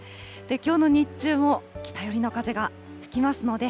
きょうの日中も北寄りの風が吹きますので、